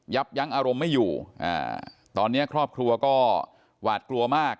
ยับยั้งอารมณ์ไม่อยู่ตอนนี้ครอบครัวก็หวาดกลัวมาก